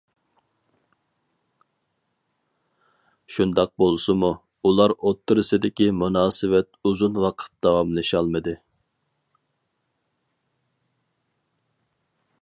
شۇنداق بولسىمۇ، ئۇلار ئوتتۇرىسىدىكى مۇناسىۋەت ئۇزۇن ۋاقىت داۋاملىشالمىدى.